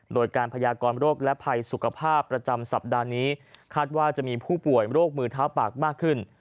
โดยการพยากรโรคและภัยสุขภาพประจำสัปดาห์นี้คาดว่าจะมีผู้ป่วยโรคมือเท้าปากมากขึ้น